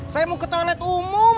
saya mau ke toilet umum